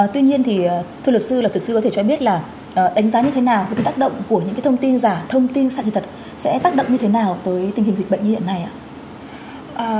tuy nhiên thì thưa luật sư có thể cho em biết là đánh giá như thế nào với tác động của những thông tin giả thông tin sai sự thật sẽ tác động như thế nào tới tình hình dịch bệnh như hiện nay ạ